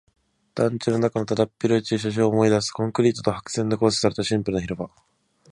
団地の中のだだっ広い駐車場を思い出す。コンクリートと白線で構成されたシンプルな広場。